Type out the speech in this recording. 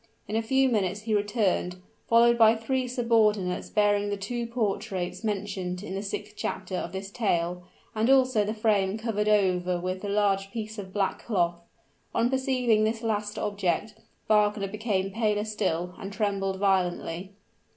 In a few minutes he returned, followed by three subordinates bearing the two portraits mentioned in the sixth chapter of this tale, and also the frame covered over with the large piece of black cloth. On perceiving this last object, Wagner became paler still, and trembled violently.